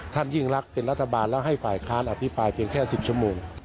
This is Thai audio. ยิ่งรักเป็นรัฐบาลแล้วให้ฝ่ายค้านอภิปรายเพียงแค่๑๐ชั่วโมง